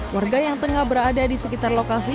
warga yang tengah berada di sekitar lokasi